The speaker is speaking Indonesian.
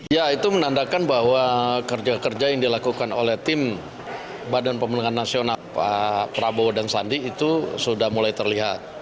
ya itu menandakan bahwa kerja kerja yang dilakukan oleh tim badan pemenangan nasional pak prabowo dan sandi itu sudah mulai terlihat